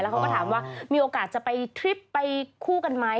เขาก็ถามว่ามีโอกาสจะไปทริปไปคู่กันไหม